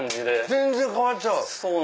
全然変わっちゃう。